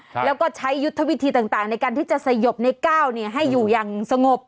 แล้วก็ใช้ยุทธวิธีต่างต่างในการที่จะสยบในก้าวเนี่ยให้อยู่อย่างสงบ